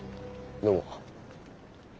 どうも。